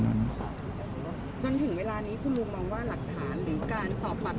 จนถึงเวลานี้คุณมุมมองว่าหลักฐานหรือการสอบบัตรธรรม